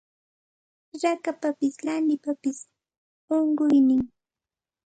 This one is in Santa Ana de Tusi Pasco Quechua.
Rakapapas lanipapas unquynin